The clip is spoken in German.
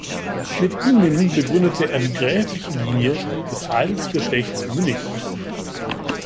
Mit ihnen begründete er die gräfliche Linie des Adelsgeschlechts Münnich.